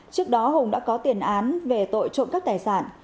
trước đó hùng đã có tiền án về tội trộm cắp tài sản